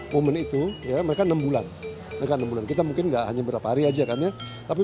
momen itu ya mereka enam bulan mereka enam bulan kita mungkin enggak hanya berapa hari aja kan ya tapi